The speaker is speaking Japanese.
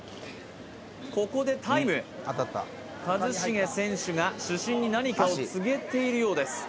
ここでタイム一茂選手が主審に何かを告げているようです